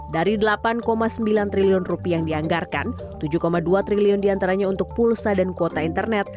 dari rp delapan sembilan triliun rupiah yang dianggarkan tujuh dua triliun diantaranya untuk pulsa dan kuota internet